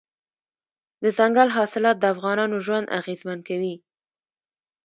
دځنګل حاصلات د افغانانو ژوند اغېزمن کوي.